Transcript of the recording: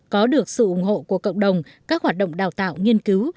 có được sự ủng hộ của cộng đồng các hoạt động đào tạo nghiên cứu